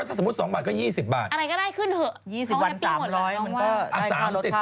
ถ้าสมมุติสิบ๒บาทก็๒๐บาท